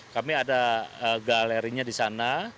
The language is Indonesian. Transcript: kami ada galerinya di sana